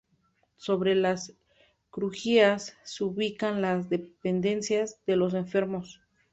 Sobre las crujías se ubican las dependencias de los enfermos.